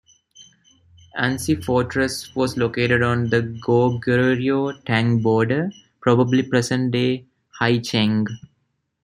Ansi Fortress was located on the Goguryeo-Tang border, probably present-day Haicheng.